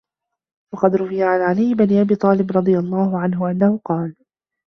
وَقَدْ رُوِيَ عَنْ عَلِيِّ بْنِ أَبِي طَالِبٍ رَضِيَ اللَّهُ عَنْهُ أَنَّهُ قَالَ